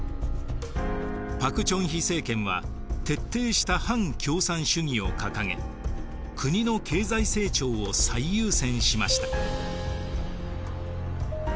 朴正煕政権は徹底した反共産主義を掲げ国の経済成長を最優先しました。